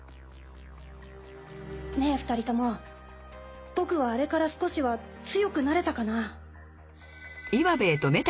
ねぇ２人とも僕はあれから少しは強くなれたかな？